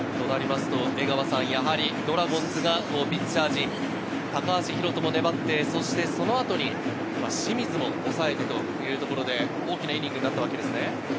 ドラゴンズはピッチャー陣、高橋宏斗も粘って、そしてその後に清水も抑えてというところで大きなイニングになったわけですね。